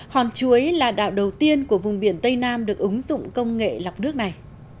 hòn chuối là đảo đầu tiên của vùng biển tây nam được ứng dụng công nghệ lọc nước này